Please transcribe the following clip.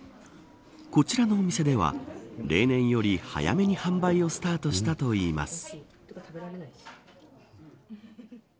こちらのお店では例年より早めに販売をスタートしたといいます。